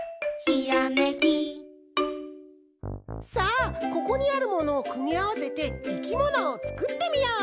さあここにあるものをくみあわせていきものをつくってみよう！